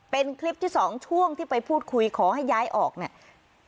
เป็นคลิปที่สองช่วงที่ไปพูดคุยขอให้ย้ายออกเนี่ย